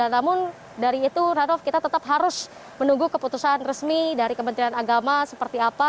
namun dari itu ranov kita tetap harus menunggu keputusan resmi dari kementerian agama seperti apa